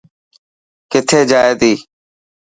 ڪٿي جائي تي.